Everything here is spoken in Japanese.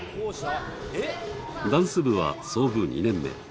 ダンス部は創部２年目。